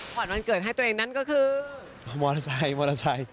วันเกิดให้ตัวเองนั้นก็คือมอเตอร์ไซค์มอเตอร์ไซค์